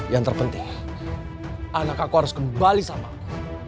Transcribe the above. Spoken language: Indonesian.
yang terpenting anak aku harus kembali sama aku